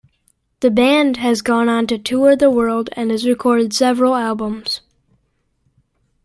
The band has gone on to tour the world and has recorded several albums.